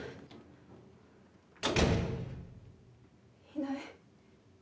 いない。